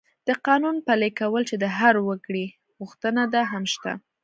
د قانون پلي کول چې د هر وګړي غوښتنه ده، هم شته.